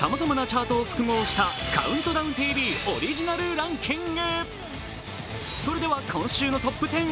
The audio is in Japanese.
ああ、浮いた、浮いたさまざまなチャートを複合した「ＣＤＴＶ」オリジナルランキング。